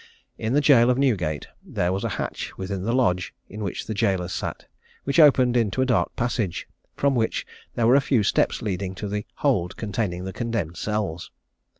In the gaol of Newgate there was a hatch within the lodge in which the gaolers sat, which opened into a dark passage, from which there were a few steps leading to the hold containing the condemned cells.